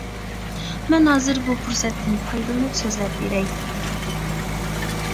مەن ھازىر بۇ پۇرسەتتىن پايدىلىنىپ سۆزلەپ بېرەي.